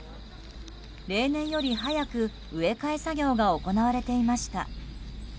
例年より早く、植え替え作業が行われていました。